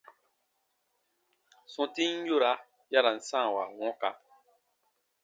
Sɔ̃tin yora ya ra n sãawa wɔ̃ka.